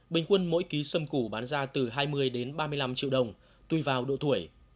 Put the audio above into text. bình quân mỗi ký sâm củ bán ra từ hai mươi đến ba mươi năm triệu đồng tùy vào độ tuổi